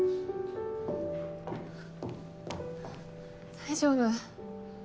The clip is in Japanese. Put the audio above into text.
大丈夫？